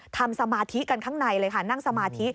สมาธิกันข้างในเลยค่ะนั่งสมาธิ